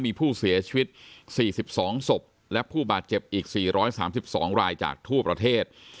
มีผู้เสียชีวิต๔๒ศพและผู้บาดเจ็บอีก๔๓๒รายจากทั่วประเทศ